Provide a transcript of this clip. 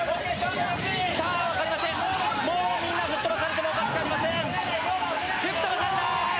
分かりません、みんな吹っ飛ばされてもおかしくありません。